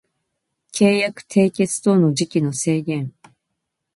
契約締結等の時期の制限